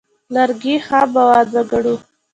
لرګي خام مواد وګڼو.